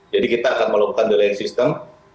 jadi kita akan melakukan delaying sistem